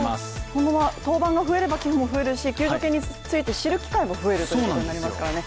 今後は、登板が増えれば寄付も増えるし、救助犬について知る機会も増えるということになりますからね。